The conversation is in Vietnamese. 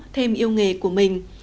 thêm yêu nghề của mình